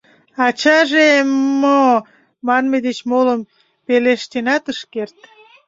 Ачаже «м-мо!» манме деч молым пелештенат ыш керт.